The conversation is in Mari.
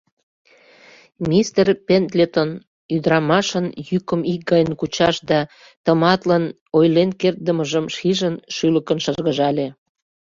Мистер Пендлетон, ӱдырамашын йӱкым икгайым кучаш да тыматлын ойлен кертдымыжым шижын, шӱлыкын шыргыжале.